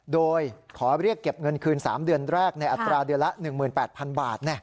โดยขอเรียกเก็บเงินคืน๓เดือนแรกในอัตราเดือนละ๑๘๐๐๐บาท